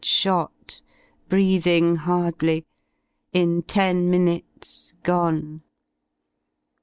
Shot, breathing hardly, in ten minutes — go?ie!